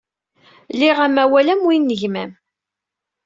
Liɣ amawal am win n gma-m.